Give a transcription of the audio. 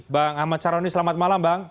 bang ahmad saroni selamat malam bang